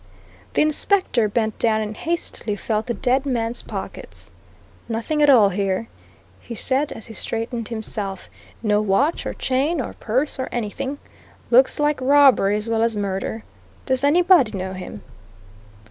The inspector bent down and hastily felt the dead man's pockets. "Nothing at all here," he said as he straightened himself. "No watch or chain or purse or anything. Looks like robbery as well as murder. Does anybody know him?"